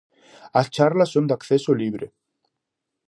As charlas son de acceso libre.